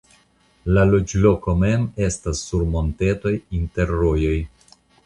La loĝloko mem estas sur montetoj inter rojoj.